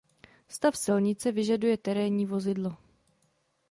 Stav silnice vyžaduje terénní vozidlo.